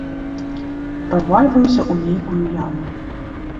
Правальваюся ў нейкую яму.